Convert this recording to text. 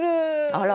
あら。